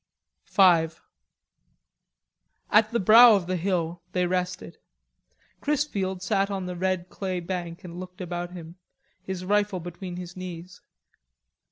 V At the brow of the hill they rested. Chrisfield sat on the red clay bank and looked about him, his rifle between his knees.